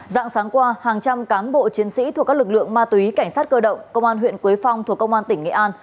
dạng sáng qua hàng trăm cán bộ chiến sĩ thuộc các lực lượng ma túy cảnh sát cơ động công an huyện quế phong thuộc công an tỉnh nghệ an